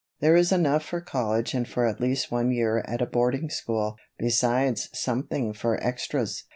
There is enough for college and for at least one year at a boarding school, besides something for extras.